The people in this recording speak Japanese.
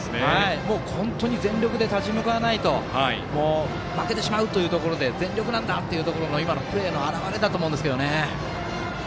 本当に全力で立ち向かわないと負けてしまうというところで全力なんだという今のプレーの表れだと思うんですけどね。